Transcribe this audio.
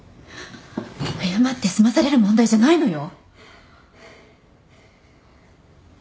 謝って済まされる問題じゃないのよ。